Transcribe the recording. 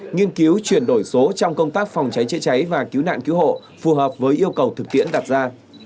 nghiên cứu chuyển đổi số trong công tác phòng cháy chữa cháy và cứu nạn cứu hộ phù hợp với yêu cầu thực tiễn đặt ra